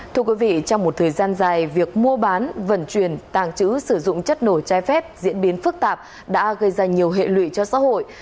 thưa quý vị trong một thời gian dài việc mua bán vận chuyển tàng trữ sử dụng chất nổi trái phép diễn biến phức tạp đã gây ra nhiều hệ lụy cho xã hội